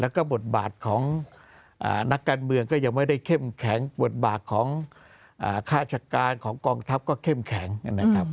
แล้วก็บทบาทของนักการเมืองก็ยังไม่ได้เข้มแข็งบทบาทของข้าราชการของกองทัพก็เข้มแข็งนะครับ